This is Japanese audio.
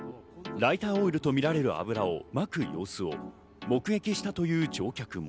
ライターオイルとみられる油をまく様子を目撃したという乗客も。